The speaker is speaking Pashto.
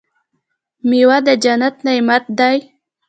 میوه د جنت نعمت دی.